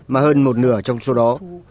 mà hơn một nửa trong số đó